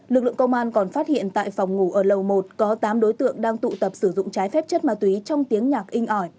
lực lượng công an còn phát hiện tại phòng ngủ ở lầu một có tám đối tượng đang tụ tập sử dụng trái phép chất ma túy trong tiếng nhạc in ỏi